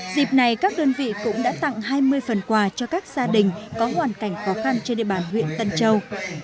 dịp này các đơn vị cũng đã tặng hai mươi phần quà cho các gia đình có hoàn cảnh khó khăn trên địa bàn huyện tân châu